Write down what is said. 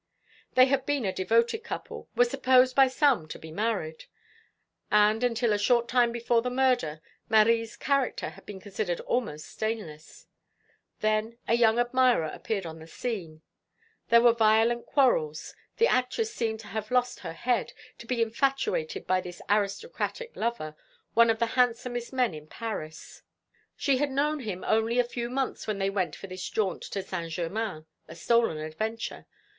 They had been a devoted couple were supposed by some to be married and until a short time before the murder Marie's character had been considered almost stainless. Then a younger admirer appeared on the scene. There were violent quarrels. The actress seemed to have lost her head, to be infatuated by this aristocratic lover, one of the handsomest men in Paris. She had known him only a few months when they went for this jaunt to Saint Germain a stolen adventure.